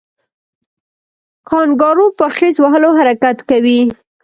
کانګارو په خیز وهلو حرکت کوي